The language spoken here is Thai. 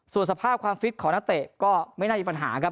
ส่วนสภาพความฟิตของนักเตะก็ไม่น่ามีปัญหาครับ